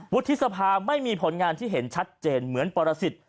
วุฒิสภาไม่มีผลงานที่เห็นชัดเจนเหมือนปรสิทธิ์